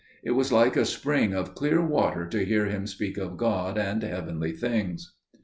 It was like a spring of clear water to hear him speak of God and heavenly things.